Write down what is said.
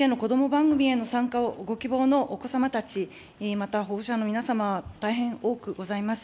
番組への参加をご希望のお子様たち、また保護者の皆様、大変多くございます。